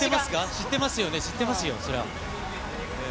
知ってますよね、知ってますよ、そりゃ。